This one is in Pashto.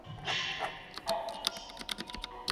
په سياست کې د پوهې تر څنګ هنر هم ډېر اړين دی.